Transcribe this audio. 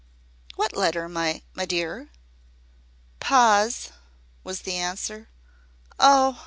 "What letter, my my dear?" "Pa's," was the answer. "Oh!